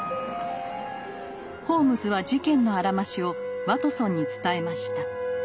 ホームズは事件のあらましをワトソンに伝えました。